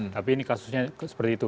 tapi ini kasusnya seperti itu